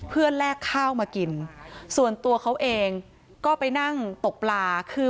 เพื่อแลกข้าวมากินส่วนตัวเขาเองก็ไปนั่งตกปลาคือ